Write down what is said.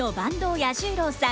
彌十郎さん